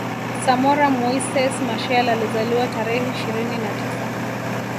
Samora Moises Machel Alizaliwa tarehe ishirini na tisa